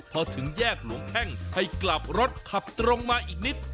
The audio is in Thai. พอถึงแยกหลวงแพ่งให้กลับรถขับตรงมาอีกนิด